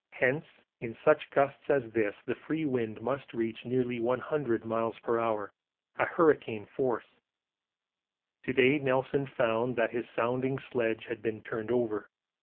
Hence in such gusts as this the free wind must reach nearly 100 m.p.h. a hurricane force. To day Nelson found that his sounding sledge had been turned over.